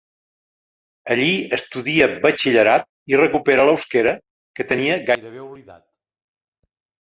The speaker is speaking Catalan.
Allí estudia batxillerat i recupera l'euskera que tenia gairebé oblidat.